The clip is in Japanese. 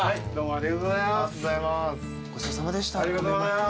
ありがとうございます。